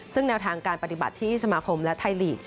ซึ่งแนวทางการปฏิบัติที่สมาคมและไทยลีก